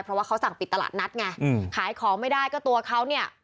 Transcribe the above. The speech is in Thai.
เพราะว่าเขาสั่งปิดตลาดนัดไงอืมขายของไม่ได้ก็ตัวเขาเนี่ย